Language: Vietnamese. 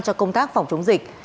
cho công tác phòng chống dịch